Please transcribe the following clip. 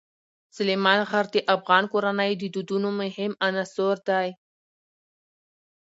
سلیمان غر د افغان کورنیو د دودونو مهم عنصر دی.